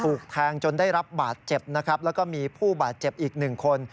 ถูกแทงจนได้รับบาดเจ็บนะครับแล้วก็มีผู้บาดเจ็บอีกหนึ่งคน